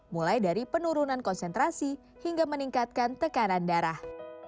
mulai dari penurunan konsentrasi hingga meningkatkan tekanan darah